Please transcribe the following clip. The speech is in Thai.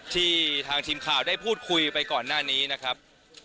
ที่ทางทีมข่าวได้พูดคุยไปก่อนหน้านี้นะครับ